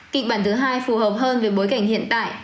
kịch bản thứ hai phù hợp hơn với bối cảnh hiện tại